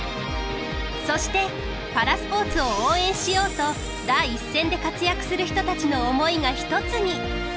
そしてパラスポーツを応援しようと第一線で活躍する人たちの思いが一つに。